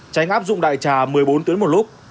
tránh áp dụng đại trà một mươi bốn tuyến một lúc